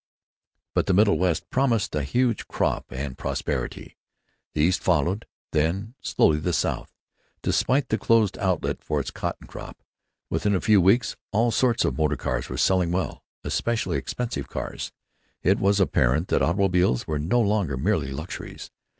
But the Middle West promised a huge crop and prosperity. The East followed; then, slowly, the South, despite the closed outlet for its cotton crop. Within a few weeks all sorts of motor cars were selling well, especially expensive cars. It was apparent that automobiles were no longer merely luxuries.